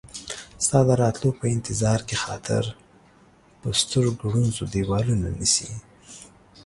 ستا د راتلو په انتظار کې خاطر ، په سترګو ړوند شو ديوالونه نيسي